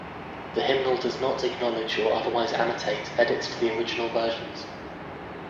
The hymnal does not acknowledge or otherwise annotate edits to the original versions.